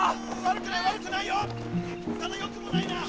悪くない悪くないよ！